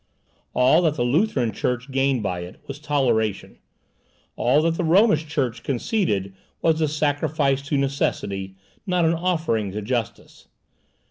All that the Lutheran Church gained by it was toleration; all that the Romish Church conceded, was a sacrifice to necessity, not an offering to justice.